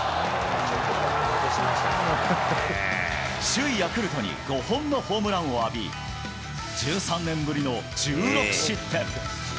首位ヤクルトに５本のホームランを浴び、１３年ぶりの１６失点。